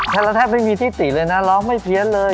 แทนละแทบไม่มีที่สินะร้องไม่เพียนเลย